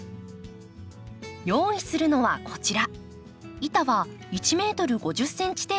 用意するのはこちら。